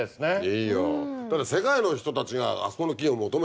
いいよ。